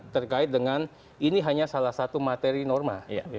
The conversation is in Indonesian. terkait dengan ini hanya salah satu materi norma